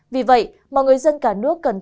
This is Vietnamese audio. vì vậy mọi người dân cả nước cần tích